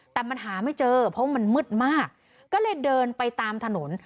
แต่มันหาไม่เจอเพราะมันมืดมากก็เลยเดินไปตามถนน